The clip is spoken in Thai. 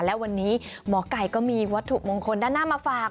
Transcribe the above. และวันนี้หมอไก่ก็มีวัตถุมงคลด้านหน้ามาฝาก